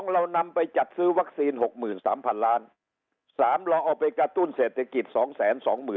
๒เรานำไปจัดซื้อวัคซีน๖๓๐๐๐ล้านสามแล้วไปกระตุ้นเศรษฐกิจ